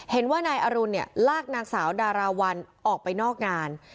เห็นว่านายอรุณเนี่ยลากนางสาวดาราวันออกไปนอกงาน